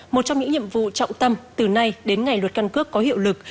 một trong những nhiệm vụ trọng tâm từ nay đến ngày luật căn cước có hiệu lực